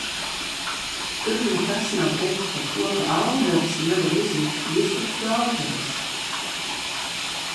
"Tur nekas nav teikts par to, ka "Aldaris" nevar uzlikt virsrakstu "Aldaris"."